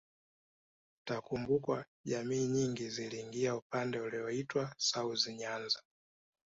Itakumbukwa jamii nyingi ziliingia upande ulioitwa South Nyanza